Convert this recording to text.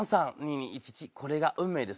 これが運命です。